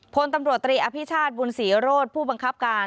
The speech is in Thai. พลตำรวจตรีอภิชาติบุญศรีโรธผู้บังคับการ